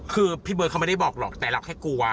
คือพี่เบิร์ตเขาไม่ได้บอกหรอกแต่เราแค่กลัว